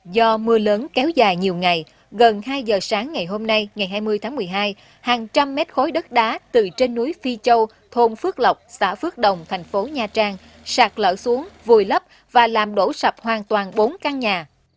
do mưa lớn kéo dài nhiều ngày gần hai giờ sáng ngày hôm nay ngày hai mươi tháng một mươi hai hàng trăm mét khối đất đá từ trên núi phi châu thôn phước lộc xã phước đồng thành phố nha trang sạt lở xuống vùi lấp và làm đổ sập hoàn toàn bốn căn nhà